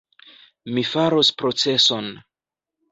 Mi faros proceson!